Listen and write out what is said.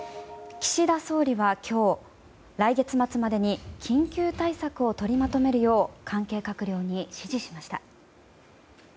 岸田総理は今日、来月末までに緊急対策を取りまとめるよう関係閣僚に指示しました。